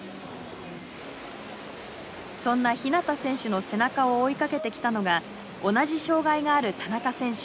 そんな日向選手の背中を追いかけてきたのが同じ障害がある田中選手。